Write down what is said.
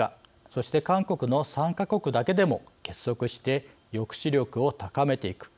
そして、韓国の３か国だけでも結束して抑止力を高めていく。